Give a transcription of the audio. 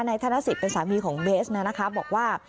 นายธนสิตเป็นสามีของเบสนะนะคะบอกว่า